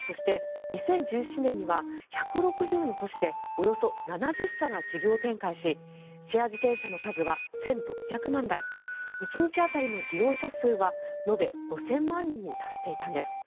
そして、２０１７年には１６０の都市でおよそ７０社が事業展開しシェア自転車の数は１６００万台１日当たりの利用者数は延べ５０００万人に達していたんです。